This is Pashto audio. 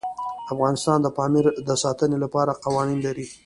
افغانستان د پامیر د ساتنې لپاره قوانین لري.